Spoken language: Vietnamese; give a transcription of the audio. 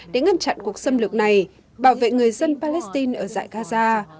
để ngăn chặn cuộc xâm lược này bảo vệ người dân palestine ở giải gaza